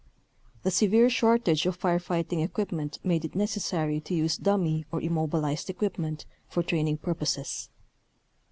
The severe short age of fire fighting equipment made it necessary to use dummy or immobilized equipment for 79 Photo 1 1.